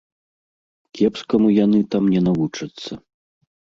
Кепскаму яны там не навучацца.